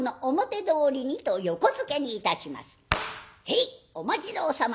「へい！お待ち遠さま」。